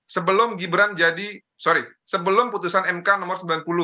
sebelum gibran jadi sorry sebelum putusan mk nomor sembilan puluh